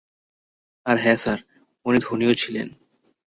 আর হ্যাঁ স্যার, উনি ধনীও ছিলেন।